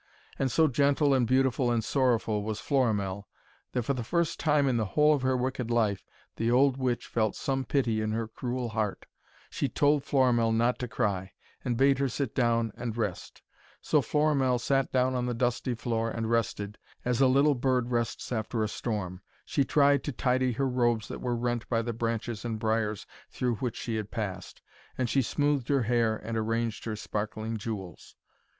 And so gentle and beautiful and sorrowful was Florimell, that, for the first time in the whole of her wicked life, the old witch felt some pity in her cruel heart. She told Florimell not to cry, and bade her sit down and rest. So Florimell sat down on the dusty floor and rested, as a little bird rests after a storm. She tried to tidy her robes that were rent by the branches and briars through which she had passed, and she smoothed her hair, and arranged her sparkling jewels.